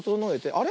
あれ？